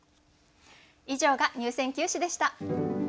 以上が入選九首でした。